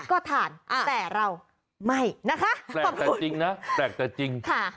ก็ทานแต่เราไม่นะคะแปลกแต่จริงนะแปลกแต่จริงค่ะ